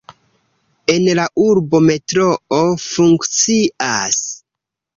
En la urbo metroo funkcias.